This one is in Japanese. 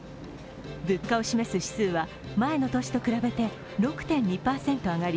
物価を示す指数は前の年と比べて６．２％上がり